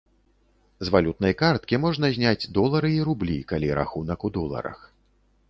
З валютнай карткі можна зняць долары і рублі, калі рахунак у доларах.